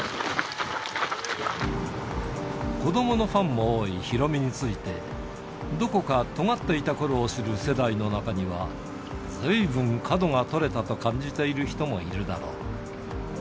子どものファンも多いヒロミについて、どこかとがっていたころを知る世代の中には、ずいぶん角が取れたと感じている人もいるだろう。